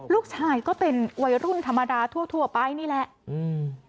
ลูกชายก็เป็นวัยรุ่นธรรมดาทั่วทั่วไปนี่แหละอืม